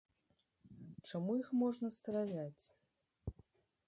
Чаму іх можна страляць?